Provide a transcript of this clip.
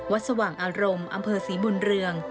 สว่างอารมณ์อำเภอศรีบุญเรือง